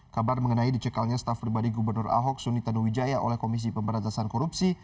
kabar mengenai dicekalnya staff pribadi gubernur ahok suni tanuwijaya oleh komisi pemberantasan korupsi